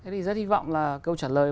thế thì rất hy vọng là câu trả lời